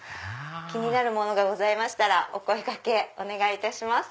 気になるものがございましたらお声掛けお願いいたします。